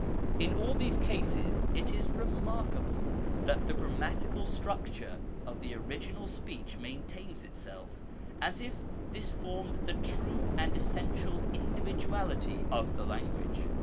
In all these cases it is remarkable that the grammatical structure 6£ the original speech maintains itself, as if this formed the true and essential individuality of the language.